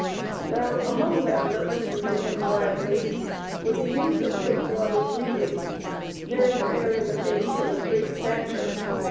Now, among them that listened to him gladly, was a youth of good blood and breeding, very fair in the face and of great stature.